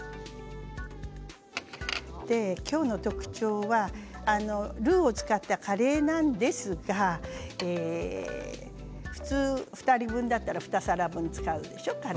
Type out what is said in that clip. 今日の特徴はルーを使ったカレーなんですが普通２人分だったら２皿分、使うでしょう？